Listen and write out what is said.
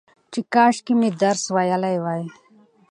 چې کاشکي مې درس ويلى وى